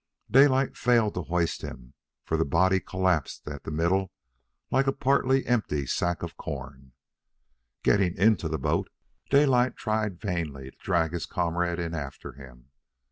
Daylight failed to hoist him, for the body collapsed at the middle like a part empty sack of corn. Getting into the boat, Daylight tried vainly to drag his comrade in after him.